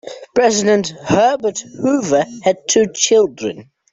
President Herbert Hoover had two children.